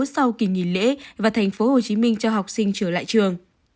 sau kỳ nghỉ lễ và tp hcm cho học sinh trở lại trường